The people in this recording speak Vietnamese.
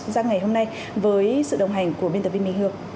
ra ngày hôm nay với sự đồng hành của biên tập viên mỹ hương